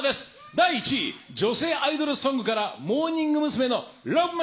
第１位、女性アイドルソングから、モーニング娘。のＬＯＶＥ